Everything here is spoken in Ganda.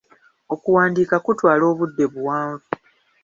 Okuwandiika kutwala obudde buwanvu.